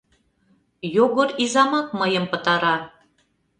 — Йогор изамак мыйым пытара.